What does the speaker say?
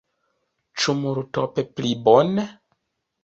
Ĉu multope pli bone?